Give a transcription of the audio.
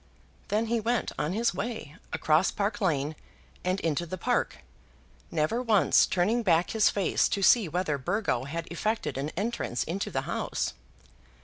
Then he went on his way across Park Lane and into the Park, never once turning back his face to see whether Burgo had effected an entrance into the house.